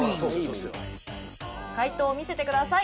解答を見せてください。